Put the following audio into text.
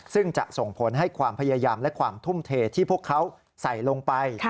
ซึ่งจะส่งผลให้ความพยายามและความทุ่มเทที่พวกเขาใส่ลงไป